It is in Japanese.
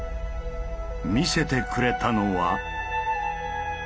見せてくれたのは。